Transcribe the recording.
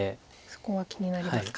そこは気になりますか。